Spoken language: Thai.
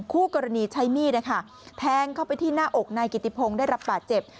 คู่กรณีใช้มีดแทงเข้าไปที่หน้าอกนายกิติพงศ์ได้รับบาดเจ็บ